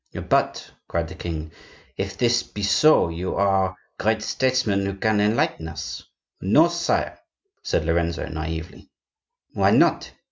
"But," cried the king, "if this be so, you are great statesmen who can enlighten us." "No, sire," said Lorenzo, naively. "Why not?"